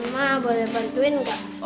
ma boleh bantuin gak